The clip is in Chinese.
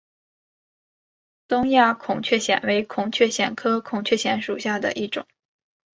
东亚孔雀藓为孔雀藓科孔雀藓属下的一个种。